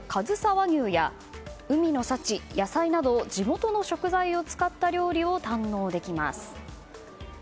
和牛や海の幸、野菜など地元の食材を使った料理を堪能できます。